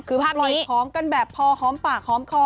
คือภาพนี้ปล่อยพร้อมกันแบบพอพร้อมปากพร้อมคอ